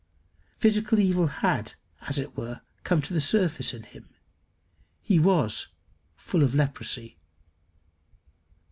Physical evil had, as it were, come to the surface in him. He was "full of leprosy."